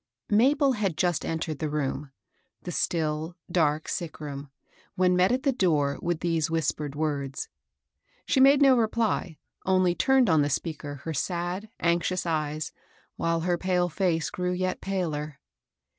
Mabel had just entered the room, — the still, dark sick room, when met at the door with these whispered words. She made no reply, only turned on the speaker her sad, anxious eyes, while her pale fece grew yet paler.